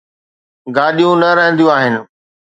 گاڏيون نه رهنديون آهن.